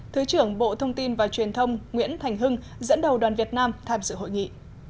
thứ trưởng bộ thông tin và truyền thông nguyễn thành hưng dẫn đầu đoàn việt nam tham dự hội nghị